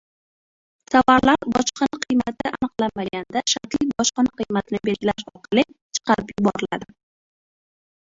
Tovarlar bojxona qiymati aniqlanmaganda, shartli bojxona qiymatini belgilash orqali chiqarib yuboriladi